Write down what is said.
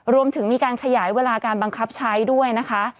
รวมถึงมีการขยายเวลาการบังคับใช้ด้วยนะคะ